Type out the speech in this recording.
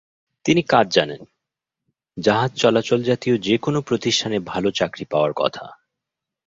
তিনি কাজ জানেন জাহাজ চলাচল জাতীয় যে-কোনো প্রতিষ্ঠানে ভালো চাকরি পাওয়ার কথা।